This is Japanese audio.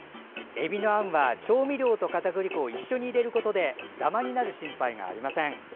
えびのあんは調味料とかたくり粉を一緒に入れることでダマになる心配がありません。